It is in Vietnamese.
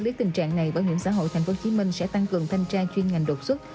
biết tình trạng này bảo hiểm xã hội tp hcm sẽ tăng cường thanh tra chuyên ngành đột xuất